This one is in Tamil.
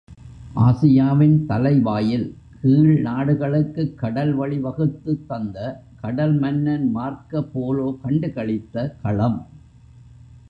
ஆசியாவின் தலை வாயில், கீழ்நாடுகளுக்குக் கடல்வழி வகுத்துத்தந்த கடல் மன்னன் மார்க்க போலோ கண்டு களித்த களம்.